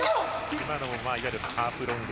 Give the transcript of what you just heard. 今のもいわゆるハーフロング。